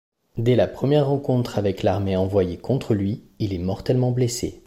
Dès la première rencontre avec l’armée envoyée contre lui, il est mortellement blessé.